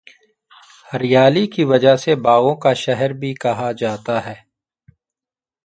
ہریالی کی وجہ سے باغوں کا شہر بھی کہا جاتا ہے